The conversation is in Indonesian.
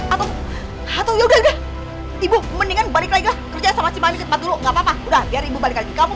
atau hati udah ibu mendingan balik kerja sama ciman dulu nggak papa udah biar ibu balik kamu